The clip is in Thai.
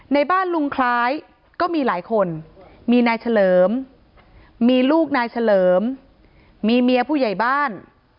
ในบ้านลุงคล้ายก็มีหลายคนมีนายเฉลิมมีลูกนายเฉลิมมีเมียผู้ใหญ่บ้าน